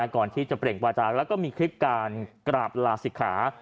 ก่อนที่จะเปล่งวาจาแล้วก็มีคลิปการกราบลาศิกขา